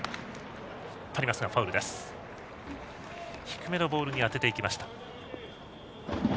低めのボールに当てていきました。